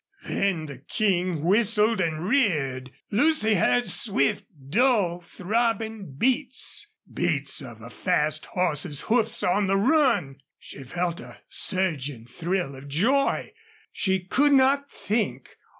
Then the King whistled and reared. Lucy heard swift, dull, throbbing beats. Beats of a fast horse's hoofs on the run! She felt a surging thrill of joy. She could not think.